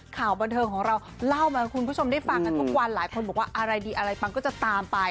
ข่าวบันเทิงของเราเล่ามาให้คุณผู้ชมได้ฟังกันทุกวันหลายคนบอกว่าอะไรดีอะไรปังก็จะตามไป